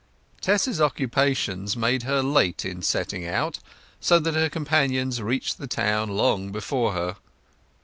Tess's occupations made her late in setting out, so that her comrades reached the town long before her.